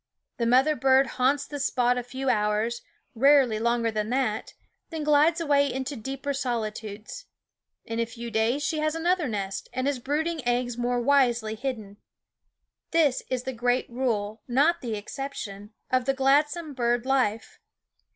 The mother bird haunts the spot a few hours, rarely longer than that, then glides away into deeper solitudes. In a few days she has another nest, and is brooding eggs more wisely hidden. This is the great rule, not the exception, of the gladsome bird life.